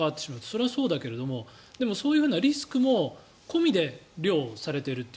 それはそうだけどでもそういうリスクも込みで漁をされている。